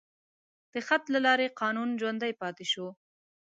د خط له لارې قانون ژوندی پاتې شو.